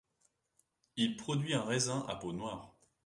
Il produit un raisin à peau noire.